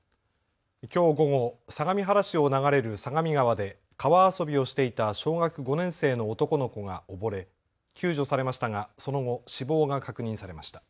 きょう午後、相模原市を流れる相模川で川遊びをしていた小学５年生の男の子が溺れ救助されましたがその後、死亡が確認されました。